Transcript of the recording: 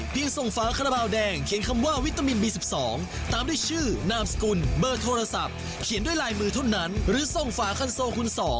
เบาแดงช่วยคนไทยสร้างอาชีพปี๒